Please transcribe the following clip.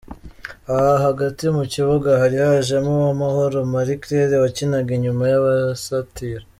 Aha hagati mu kibuga hari hajemo Uwamahoro Marie Claire wakinaga inyuma y’abasatira.